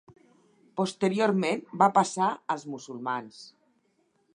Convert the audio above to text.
Posteriorment va passar als musulmans.